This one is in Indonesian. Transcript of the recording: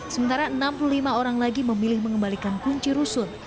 sementara enam puluh lima orang lagi memilih mengembalikan kunci rusun